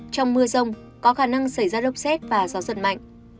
trong mưa rông có khả năng xảy ra lốc xét và gió giật mạnh